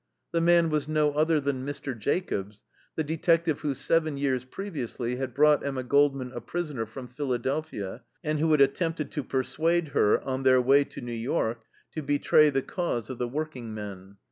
The man was no other than Mr. Jacobs, the detective who seven years previously had brought Emma Goldman a prisoner from Philadelphia and who had attempted to persuade her, on their way to New York, to betray the cause of the workingmen.